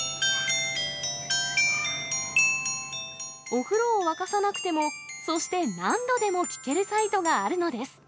お風呂を沸かさなくても、そして何度でも聞けるサイトがあるのです。